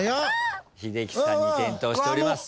英樹さんに点灯しております。